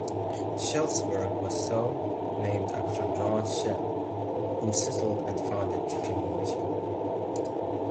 Schellsburg was so named after John Schell who settled and founded the community.